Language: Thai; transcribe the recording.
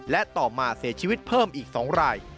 และต่อมาเสียชีวิตเพิ่มอีก๒ราย